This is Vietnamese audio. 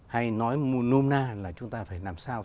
hay nói là chúng ta phải làm sao